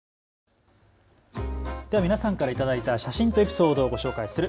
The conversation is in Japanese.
では皆さんから頂いた写真とエピソードをご紹介する＃